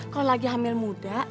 kalau lagi hamil muda